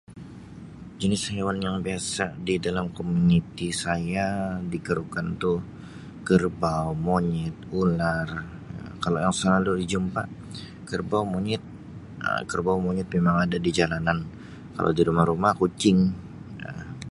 Jenis haiwan yang biasa di dalam komuniti saya di Kerukan tu kerbau, monyet, ular, Um kalau yang selalu dijumpa kerbau, monyet, Um kerbau, monyet memang ada di jalanan, kalau di rumah-rumah kucing Um.